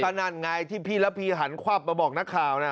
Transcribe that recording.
นั่นไงที่พี่ระพีหันควับมาบอกนักข่าวนะ